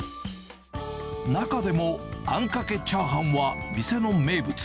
中でもあんかけチャーハンは店の名物。